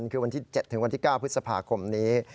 คือวันที่๗ถึงวันที่๙พฤษภาคมนี้